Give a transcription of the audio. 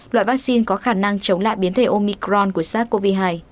loại vaccine có khả năng chống lại biến thể omicron của sars cov hai